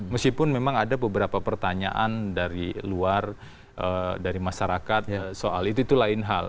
meskipun memang ada beberapa pertanyaan dari luar dari masyarakat soal itu itu lain hal